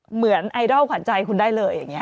เหมือนไอดอลขวัญใจคุณได้เลยอย่างนี้